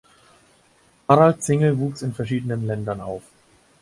Harald Zingel wuchs in verschiedenen Ländern auf.